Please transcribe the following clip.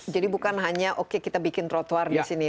jadi bukan hanya oke kita bikin trotoar di sini